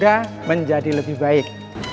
dan menjadi lebih baik